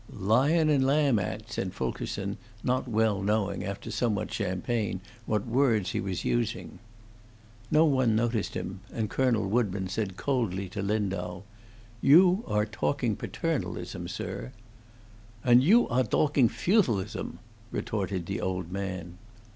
"Lion and lamb act," said Fulkerson, not well knowing, after so much champagne, what words he was using. No one noticed him, and Colonel Woodburn said coldly to Lindau, "You are talking paternalism, sir." "And you are dalking feutalism!" retorted the old man.